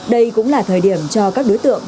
đây cũng là thời điểm cho các đối tượng